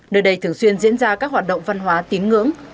nơi đây thường xuyên diễn ra các hoạt động văn hóa tín ngưỡng